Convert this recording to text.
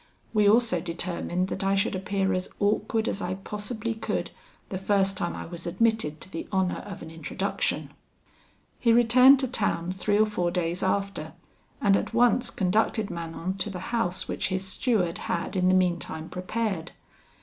We also determined that I should appear as awkward as I possibly could the first time I was admitted to the honour of an introduction. "He returned to town three or four days after, and at once conducted Manon to the house which his steward had in the meantime prepared.